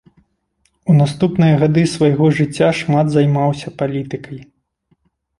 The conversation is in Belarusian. У наступныя гады свайго жыцця шмат займаўся палітыкай.